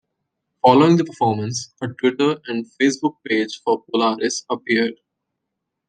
Following the performance, a Twitter and Facebook page for Polaris appeared.